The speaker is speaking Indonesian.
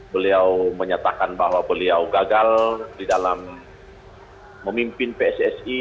beliau menyatakan bahwa beliau gagal di dalam memimpin pssi